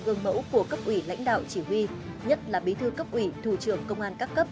gương mẫu của cấp ủy lãnh đạo chỉ huy nhất là bí thư cấp ủy thủ trưởng công an các cấp